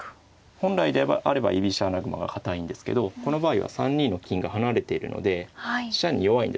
本来であれば居飛車穴熊が堅いんですけどこの場合は３二の金が離れているので飛車に弱いですね。